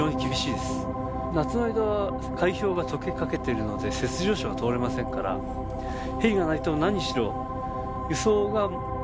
夏の間は海氷が解けかけてるので雪上車が通れませんからヘリがないと何にしろ輸送がおぼつかなくなる。